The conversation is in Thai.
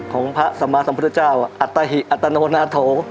ของพระสัมมาสัมพุทธเจ้าอัตหิอัตโนนาโถ